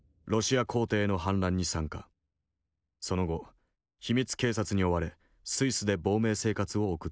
その後秘密警察に追われスイスで亡命生活を送っていた。